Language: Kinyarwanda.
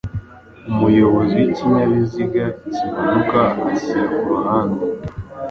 Umuyobozi w’ikinyabiziga kimanuka ashyira ku ruhande